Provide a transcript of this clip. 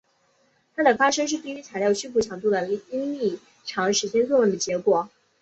它的发生是低于材料屈服强度的应力长时间作用的结果。